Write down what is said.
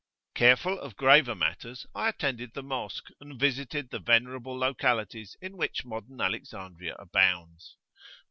Careful of graver matters, I attended the mosque, and visited the venerable localities in which modern Alexandria abounds.